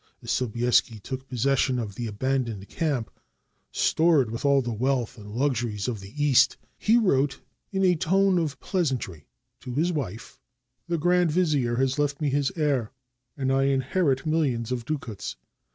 As Sobieski took possession of the abandoned camp, stored with all the wealth and luxuries of the East, he wrote, in a tone of pleasantry, to his wife, — ''The grand vizier has left me his heir, and I inherit millions of ducats.